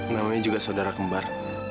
namanya juga saudara kembar